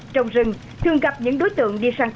trong rừng thường gặp những đối tượng đi săn sát